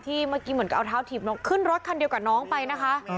เมื่อกี้เหมือนกับเอาเท้าถีบน้องขึ้นรถคันเดียวกับน้องไปนะคะ